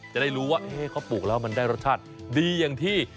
จะได้รู้ว่าเขาปลูกแล้วมันได้รสชาติดีอย่างที่